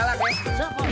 tempat yang baru